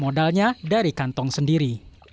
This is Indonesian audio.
modalnya dari kantong sendiri